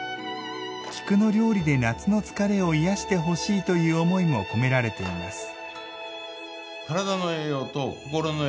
菊の料理で夏の疲れを癒してほしいという思いも込められています。